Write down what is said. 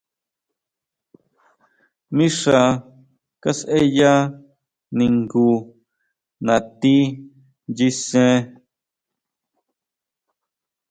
Mixa kasʼeya ningu nati nyisen.